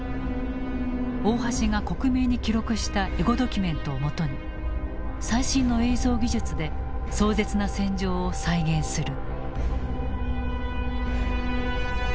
大橋が克明に記録したエゴドキュメントをもとに最新の映像技術で壮絶な戦場を再現する。